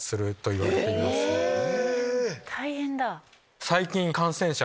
大変だ。